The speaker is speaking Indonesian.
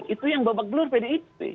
itu yang babak belur pdip